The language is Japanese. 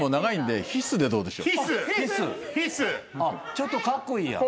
ちょっとカッコイイやん。